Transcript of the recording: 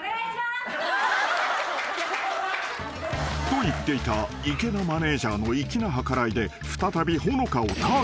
［と言っていた池田マネジャーの粋な計らいで再びほのかをターゲットに］